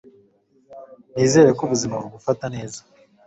Nizere ko ubuzima bugufata neza